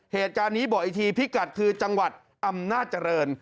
เหตุการณ์นี้บอกอีกทีพิกัดคือจังหวัดอำนาจริง